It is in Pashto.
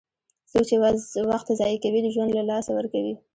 څوک چې وخت ضایع کوي، ژوند له لاسه ورکوي.